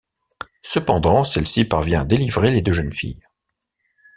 Cependant, celle-ci parvient à délivrer les deux jeunes filles.